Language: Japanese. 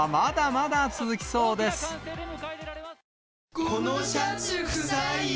今大会、このシャツくさいよ。